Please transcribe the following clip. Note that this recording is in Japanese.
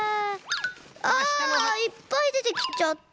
ああっいっぱいでてきちゃった。